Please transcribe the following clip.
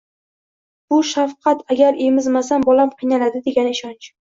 — bu shafqat, «agar emizmasam bolam qiynaladi», degan ishonch.